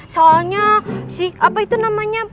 soalnya si apa itu namanya